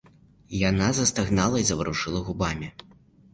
Яна застагнала і заварушыла губамі.